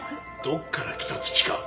どこから来た土か